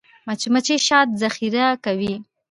مچمچۍ شات ذخیره کوي